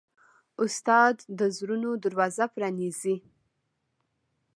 استاد د زړونو دروازه پرانیزي.